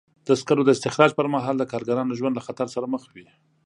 د سکرو د استخراج پر مهال د کارګرانو ژوند له خطر سره مخ وي.